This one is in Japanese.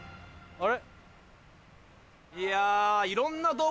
あれ。